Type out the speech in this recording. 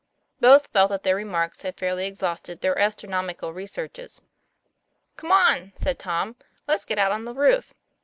Both felt that their remarks had fairly exhausted their astronomical researches. " Come on," said Tom, " let's get out on the roof."